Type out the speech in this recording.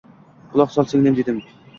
Quloq sol, singlim, dedim